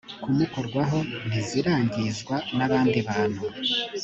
kumukorwaho ntizirangizwa n abandi bantu